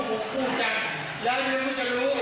ก็มันตาอย่างง่าย